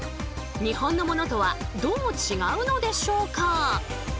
日本のものとはどう違うのでしょうか？